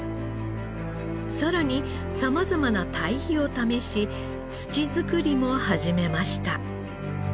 さらに様々なたい肥を試し土づくりも始めました。